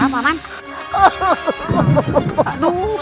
ampun pak bisik